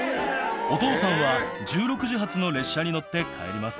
お父さんは１６時発の列車に乗って帰ります。